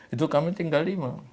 itu kami tinggal lima